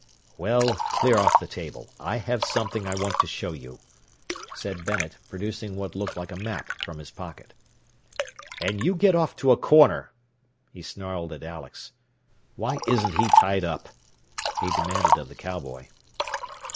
"Well, clear off the table. I have something I want to show you," said Bennet, producing what looked like a map from his pocket. "And you get off to a corner," he snarled at Alex. "Why isn't he tied up?" he demanded of the cowboy.